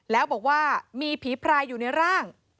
แล้วบอกว่ามีผีพรายอยู่ในร่าง